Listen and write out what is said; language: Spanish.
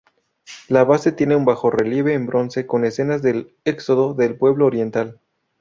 La base tiene un bajorrelieve en bronce con escenas del Éxodo del Pueblo Oriental.